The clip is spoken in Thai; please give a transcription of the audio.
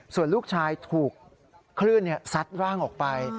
ส่วนลูกชายถูกคลื่นซัดร่างออกไป